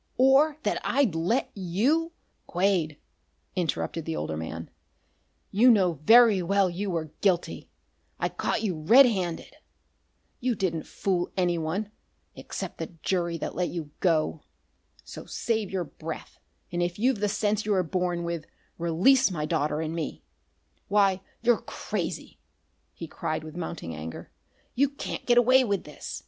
or that I'd let you " "Quade," interrupted the older man, "you know very well you were guilty. I caught you red handed. You didn't fool anyone except the jury that let you go. So save your breath, and, if you've the sense you were born with, release my daughter and me. Why, you're crazy!" he cried with mounting anger. "You can't get away with this!